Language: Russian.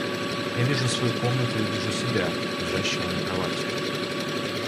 Я вижу свою комнату и вижу себя, лежащего на кровати.